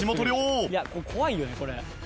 いや怖いよねこれ。